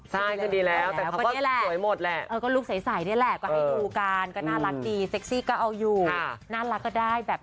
สาไปคืนดีแล้วผมสวยหมดแล้ว